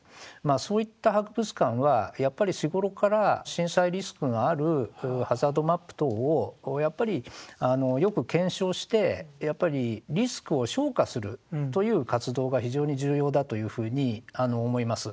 そういった博物館はやっぱり日頃から震災リスクがあるハザードマップ等をやっぱりよく検証してやっぱりリスクを評価するという活動が非常に重要だというふうに思います。